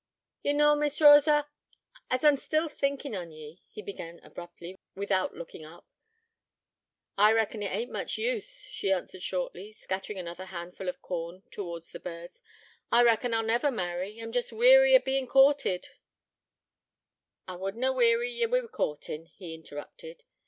'Ye knaw, Miss Rosa, as I'm still thinkin' on ye,' he began abruptly, without looking up. 'I reckon it ain't much use,' she answered shortly, scattering another handful of corn towards the birds. 'I reckon I'll never marry. I'm jest weary o' bein' courted ' 'I would na weary ye wi' courtin',' he interrupted.